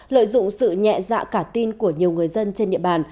lợi dụng sự nhẹ dạ cả tin của nhiều người dân trên địa bàn